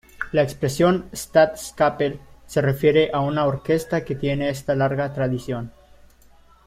La expresión "Staatskapelle" se refiere a una orquesta que tiene esta larga tradición.